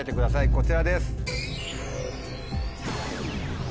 こちらです！